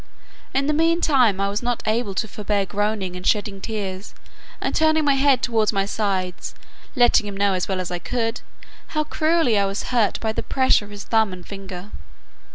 In the mean time I was not able to forbear groaning and shedding tears, and turning my head towards my sides; letting him know, as well as I could, how cruelly I was hurt by the pressure of his thumb and finger.